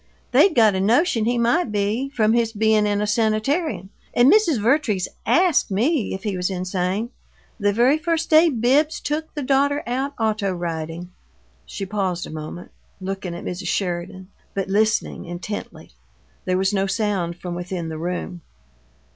They'd got a notion he might be, from his being in a sanitarium, and Mrs. Vertrees ASKED me if he was insane, the very first day Bibbs took the daughter out auto riding!" She paused a moment, looking at Mrs. Sheridan, but listening intently. There was no sound from within the room.